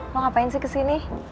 lo ngapain sih kesini